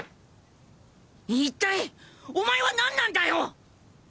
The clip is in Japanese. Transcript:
いったいお前は何なんだよ！